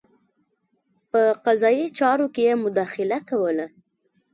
په قضايي چارو کې یې مداخله کوله.